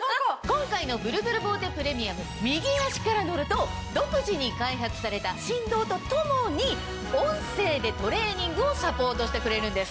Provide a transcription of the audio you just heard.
今回のブルブルボーテプレミアム右足から乗ると独自に開発された振動とともに音声でトレーニングをサポートしてくれるんです。